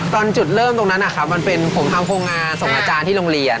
ตอนจุดเริ่มตรงนั้นนะครับมันเป็นผมทำโครงงานส่งอาจารย์ที่โรงเรียน